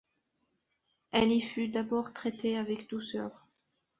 Elle y fut d'abord traitée avec douceur.